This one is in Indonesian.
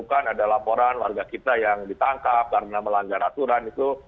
tapi sejauh ini kita tidak menemukan ada laporan warga kita yang ditangkap karena melanggar aturan itu